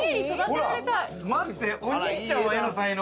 お兄ちゃんは絵の才能。